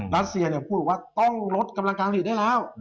รัสเซียพูดบอกว่าต้องลดกำลังการผลิตได้แล้ว